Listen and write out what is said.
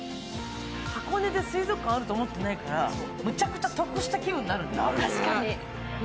箱根で水族館があると思っていないから、めちゃくちゃ得した気分になるね。